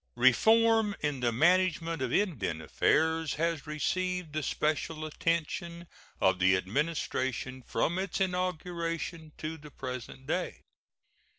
Reform in the management of Indian affairs has received the special attention of the Administration from its inauguration to the present day.